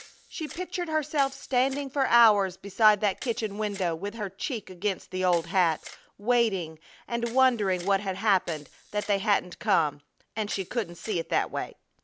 She pictured herself standing for hours beside that kitchen window with her cheek against the old hat, waiting, and wondering what had happened that they hadn't come, and she couldn't see it that way.